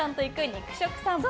肉食さんぽ。